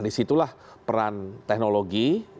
disitulah peran teknologi